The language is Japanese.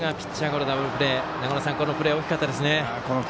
このプレーが大きかったですね。